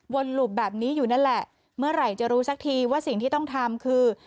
หลุบแบบนี้อยู่นั่นแหละเมื่อไหร่จะรู้สักทีว่าสิ่งที่ต้องทำคือ